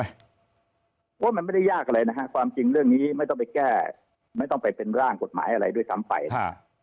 เพราะว่ามันไม่ได้ยากอะไรนะฮะความจริงเรื่องนี้ไม่ต้องไปแก้ไม่ต้องไปเป็นร่างกฎหมายอะไรด้วยซ้ำไปนะฮะ